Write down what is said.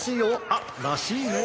あっらしいね。